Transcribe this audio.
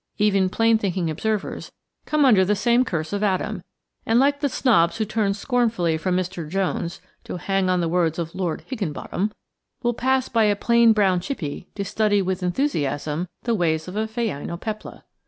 Even plain thinking observers come under the same curse of Adam, and, like the snobs who turn scornfully from Mr. Jones to hang upon the words of Lord Higginbottom, will pass by a plain brown chippie to study with enthusiasm the ways of a phainopepla!